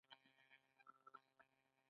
د پاچا خدمتګاران د ځمکو ستر خاوندان شول.